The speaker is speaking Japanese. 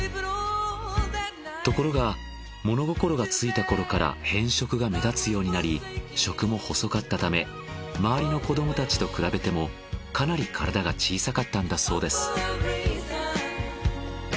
ところが物心がついたころから偏食が目立つようになり食も細かったため周りの子どもたちと比べてもかなり体が小さかったんだそうです。